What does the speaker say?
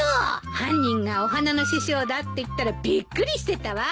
犯人がお花の師匠だって言ったらびっくりしてたわ。